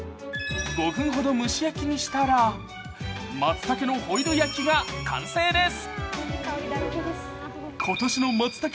５分ほど蒸し焼きにしたら、まつたけのホイル焼きが完成です。